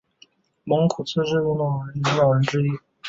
蒙古自治运动领导人之一。